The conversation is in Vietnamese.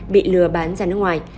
bị lừa bán ra nước ngoài